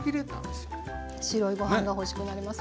白いご飯が欲しくなります。